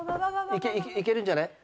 いけるんじゃない？